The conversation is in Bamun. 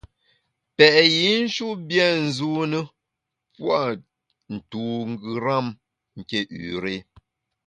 Pèt yinshut bia nzune pua’ ntu ngeram nké üré.